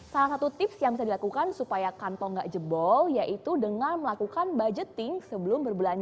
salah satu tips yang bisa dilakukan supaya kantong gak jebol yaitu dengan melakukan budgeting sebelum berbelanja